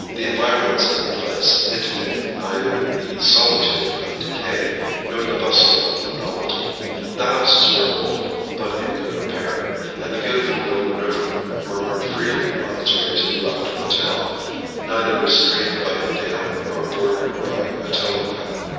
The environs of the place intimated neither the solitude of decay nor the bustle of novelty; the houses were old, but in good repair; and the beautiful little river murmured freely on its way to the left of the town, neither restrained by a dam nor bordered by a towing path.